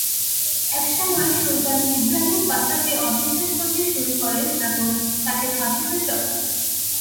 একসময় Sultan Ibrahim পাশাকে অবিশ্বাস করতে শুরু করেন এবং তাঁকে ফাঁসিতে চড়ান।